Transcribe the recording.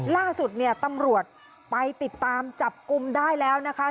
ล่าสุดเนี่ยตำรวจไปติดตามจับกลุ่มได้แล้วนะคะ